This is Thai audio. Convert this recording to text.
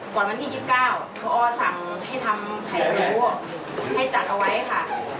ก่อนวันที่ยี่สิบเก้าเค้าอ้อสั่งให้ทำไข่รูให้จัดเอาไว้ค่ะ